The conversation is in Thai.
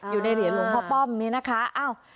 อยู่ในเหรียญหลวงพ่อป้อมนี้นะคะ